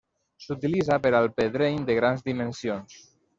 S'utilitza per al pedreny de grans dimensions.